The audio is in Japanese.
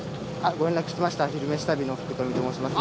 ご連絡してました「昼めし旅」の福冨と申します。